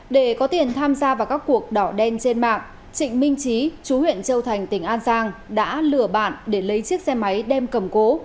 để có tiền tham gia vào các cuộc đỏ đen trên mạng trịnh minh trí chú huyện châu thành tỉnh an giang đã lừa bạn để lấy chiếc xe máy đem cầm cố